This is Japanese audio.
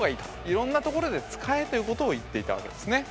いろんなところで使えということを言っていたわけですね。